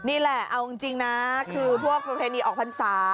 นี่แหละเอาจริงนะคือพวกประเพณีออกพรรษา